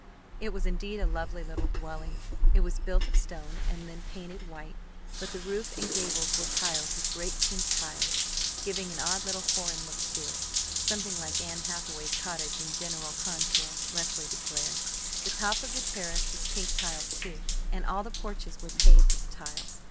It was indeed a lovely little dwelling. It was built of stone, and then painted white, but the roof and gables were tiled with great pink tiles, giving an odd little foreign look to it, something like Anne Hathaway's cottage in general contour, Leslie declared. The top of the terrace was pink tiled, too, and all the porches were paved with tiles.